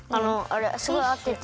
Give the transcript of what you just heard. すごいあってて。